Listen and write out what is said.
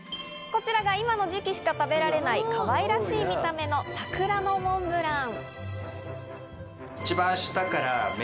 こちらが今の時期しか食べられない、かわいらしい見た目のさくらのモンブラン。